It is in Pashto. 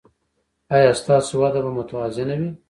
ایا ستاسو وده به متوازنه وي؟